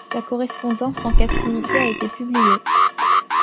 Sa correspondance en captivité a été publiée.